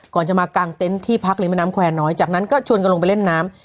ก่อนจะมากางเต็นต์ที่พักริมแม่น้ำแควร์น้อยจากนั้นก็ชวนกันลงไปเล่นน้ำ